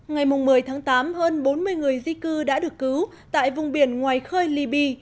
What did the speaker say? ngày một mươi tháng tám hơn bốn mươi người di cư đã được cứu tại vùng biển ngoài khơi libya